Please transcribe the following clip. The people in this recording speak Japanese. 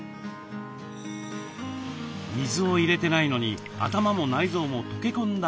水を入れてないのに頭も内臓も溶け込んだ